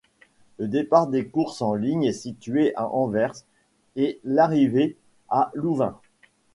Le départ des courses en ligne est situé à Anvers et l'arrivée à Louvain.